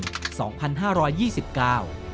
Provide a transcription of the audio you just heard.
โปรดติดตามตอนต่อไป